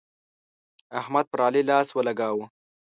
احمد پر علي لاس ولګاوو.